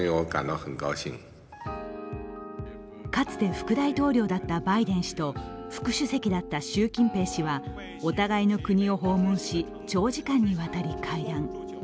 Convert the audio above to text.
かつて副大統領だったバイデン氏と副主席だった習近平氏は、お互いの国を訪問し、長時間にわたり会談。